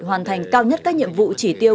hoàn thành cao nhất các nhiệm vụ chỉ tiêu